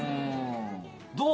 どう？